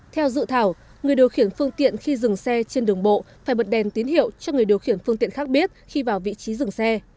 theo dự thảo người điều khiển phương tiện khi dừng xe trên đường bộ phải bật đèn tín hiệu cho người điều khiển phương tiện khác biết khi vào vị trí dừng xe